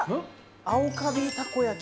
青カビたこ焼き？